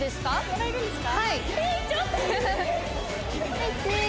もらえるんですか？